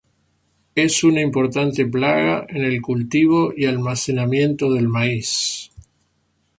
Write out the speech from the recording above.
Es una importante plaga en el cultivo y almacenamiento del maíz.